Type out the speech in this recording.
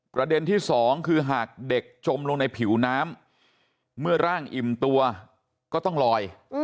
ประเด็นที่สองคือหากเด็กจมลงในผิวน้ำเมื่อร่างอิ่มตัวก็ต้องลอย